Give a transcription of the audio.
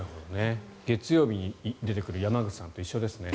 月曜日に出てくる山口さんと一緒ですね。